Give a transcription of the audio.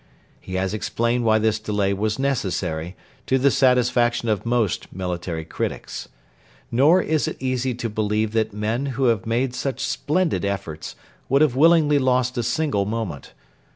He has explained why this delay was necessary, to the satisfaction of most military critics. Nor is it easy to believe that men who had made such splendid efforts would have willingly lost a single moment.